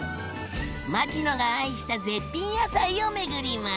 牧野が愛した絶品野菜を巡ります。